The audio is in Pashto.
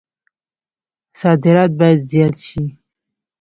صادرات باید زیات شي